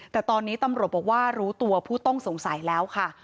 แต่ตอนนี้ตำรวจบอกว่ารู้ตัวผู้ต้องสงสัยแล้วค่ะ